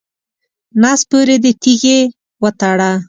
نس پورې دې تیږې وتړه.